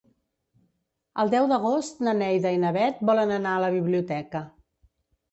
El deu d'agost na Neida i na Bet volen anar a la biblioteca.